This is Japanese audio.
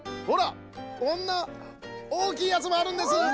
ほらこんなおおきいやつもあるんです。